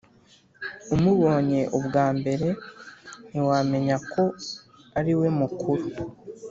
umubonye ubwambere ntiwamenya ko ariwe mukuru